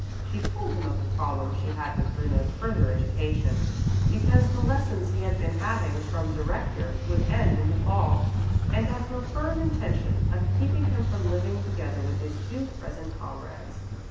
She told him of the problem she had with Bruno's further education, because the lessons he had been having from the Rector would end in the fall, and of her firm intention of keeping him from living together with his two present comrades.